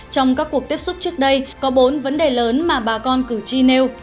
trong các cuộc tiếp xúc trước đây có bốn vấn đề lớn mà bà con cử tri nêu